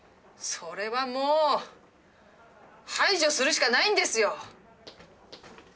それはもう排除するしかないんですよ！